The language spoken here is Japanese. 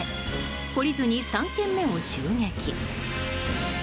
懲りずに３件目を襲撃。